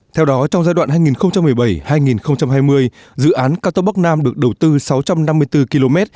theo đó trong giai đoạn hai nghìn một mươi bảy hai nghìn hai mươi dự án cao tốc bắc nam được đầu tư sáu trăm năm mươi bốn km